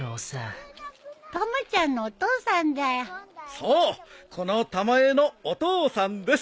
そうこのたまえのお父さんです。